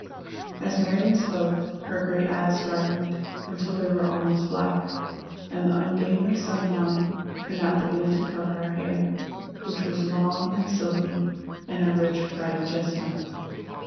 As Marion spoke, her gray eyes darkened until they were almost black, and the ungainly sunbonnet could not begin to cover her hair, which was long and silky and a rich, ripe chestnut.